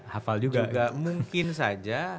hafal juga mungkin saja